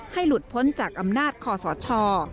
ให้หลุดพ้นจากอำนาจขอสอชอ